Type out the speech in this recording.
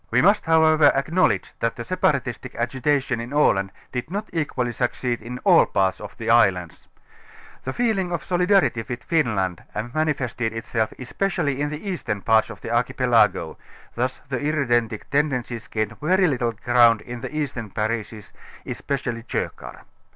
We must however acknowledge that the separatistic agitation in Aland did not equally succeed in all parts of the islands. The feeling of solidarity with Finlandjnfmifested itself especially in the eastern parts of the xtfc hipela ^o : ŌĆö thus the irredentic tendencies gained very little ground in the eastern parishes, especially Kokar.